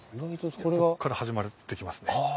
ここから始まっていきますね。